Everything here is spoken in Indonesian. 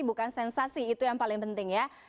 bukan sensasi itu yang paling penting ya